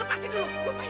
lepasin jangan sampai